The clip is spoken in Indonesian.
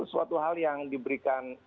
suatu hal yang diberikan